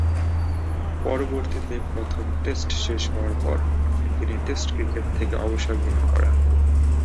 পরবর্তীতে প্রথম টেস্ট শেষ হওয়ার পর তিনি টেস্ট ক্রিকেট থেকে অবসর গ্রহণ করেন।